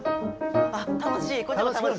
あっ楽しい。